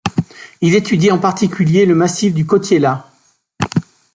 Il étudie en particulier le massif du Cotiella.